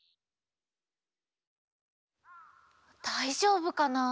だいじょうぶかな？